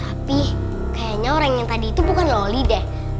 tapi kayaknya orang yang tadi itu bukan loli deh